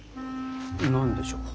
何でしょう。